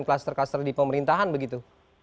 kluster kluster di pemerintahan begitu